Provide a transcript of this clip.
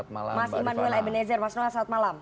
mas emanuel ebenezer mas nola selamat malam